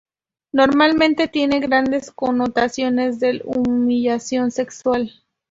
Normalmente tiene grandes connotaciones de humillación sexual.